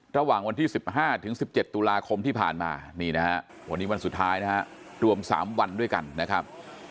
ระหว่างวันที่๑๕๑๗ตุลาคมที่ผ่านมานี่นะฮะวันนี้วันสุดท้ายนะฮะรวม๓วันด้วยกันนะครับ